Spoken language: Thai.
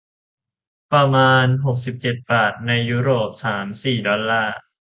ประมาณ หกสิบเจ็ด บาท ในยุโรป สาม สี่ ดอลลาร์